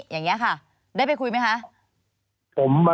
อย่างนี้ค่ะได้ไปคุยไหมคะ